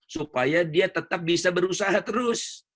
supaya dia tetap bisa berusaha terus